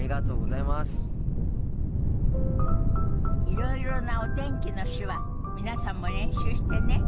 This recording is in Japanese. いろいろなお天気の手話皆さんも練習してね。